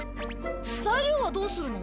材料はどうするの？